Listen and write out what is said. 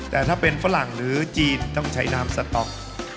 แต่ถ้าเป็นฝรั่งหรือจีนต้องใช้น้ำสต๊อก